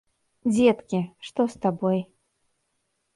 Дзеткі, што з табой?